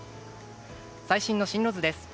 最新の進路図です。